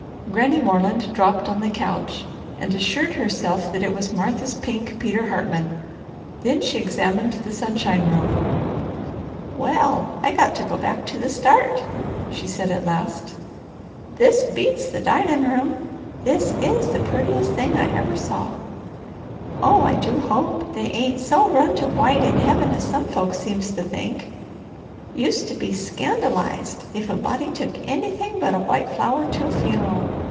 Granny Moreland dropped on the couch and assured herself that it was Martha's pink Peter Hartman. Then she examined the sunshine room. "Well I got to go back to the start," she said at last. "This beats the dinin' room. This is the purtiest thing I ever saw. Oh I do hope they ain't so run to white in Heaven as some folks seem to think! Used to be scandalized if a body took anythin' but a white flower to a funeral.